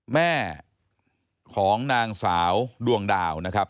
แม่ของนางสาวดวงดาวนะครับ